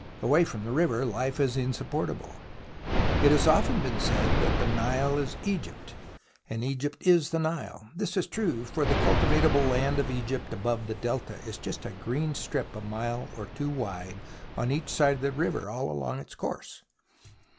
Away from the river, life is insupportable. It has often been said that the Nile is Egypt, and Egypt is the Nile. This is true, for the cultivable land of Egypt above the Delta is just a green strip a mile or two wide on each side of the river all along its course.